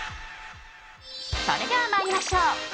それでは参りましょう！